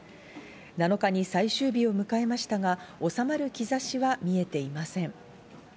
７日に最終日を迎えましたが収まる兆しは見えていません。